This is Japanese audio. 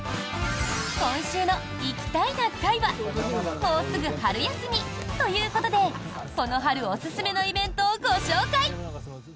今週の「行きたいな会」はもうすぐ春休みということでこの春おすすめのイベントをご紹介！